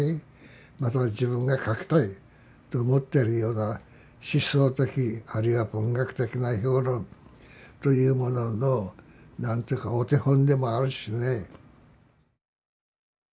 また自分が書きたいと思ってるような思想的あるいは文学的な評論というものの何て言うかお手本でもあるしね。